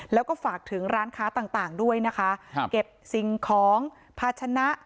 แล้วก็ฝากถึงร้านค้าต่างด้วยนะคะครับเก็บสิ่งของภาชนะ